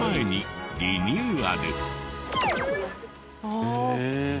へえ。